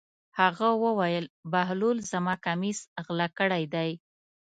هغه وویل: بهلول زما کمیس غلا کړی دی.